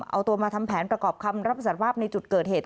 เอาตัวมาทำแผนประกอบคำรับสารภาพในจุดเกิดเหตุ